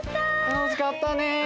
たのしかったね！